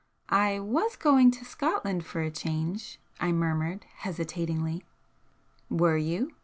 "I was going to Scotland for a change," I murmured, hesitatingly. "Were you?